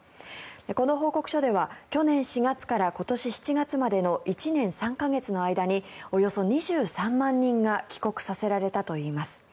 この報告書では去年４月から今年７月までの１年３か月の間におよそ２３万人が帰国させられたといいます。